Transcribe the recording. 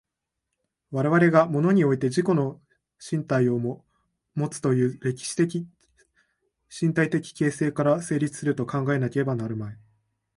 我々が物において自己の身体をもつという歴史的身体的形成から成立すると考えなければなるまい。